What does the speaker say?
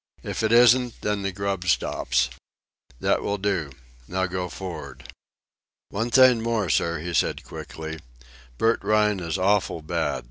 If it isn't, then the grub stops. That will do. Now go for'ard." "One thing more, sir," he said quickly. "Bert Rhine is awful bad.